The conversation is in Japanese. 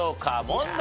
問題